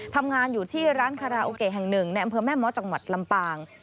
ทำงานอยู่ที่ร้านคาราโอเกะแห่งหนึ่งในอำเภอแม่ม้อจังหวัดลำปาง